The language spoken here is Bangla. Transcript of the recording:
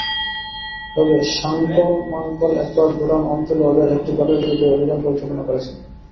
তবে শাংকল মাংকল একবার দুরান অঞ্চলে ওদের একটি দলের বিরুদ্ধে অভিযান পরিচালনা করেছিলেন।